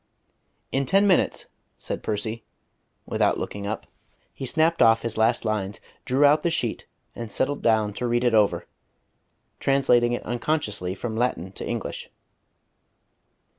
"In ten minutes," said Percy, without looking up. He snapped off his last lines, drew out the sheet, and settled down to read it over, translating it unconsciously from Latin to English.